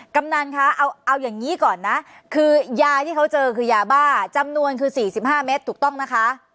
กำนันคะเอาอย่างนี้ก่อนนะคือยาที่เขาเจอคือยาบ้าจำนวนคือ๔๕เมตรถูกต้องนะคะ